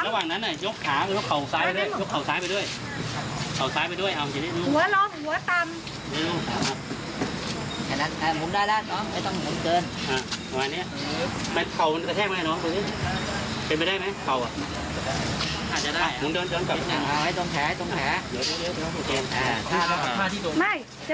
แล้วก็โดนให้ตรงแผล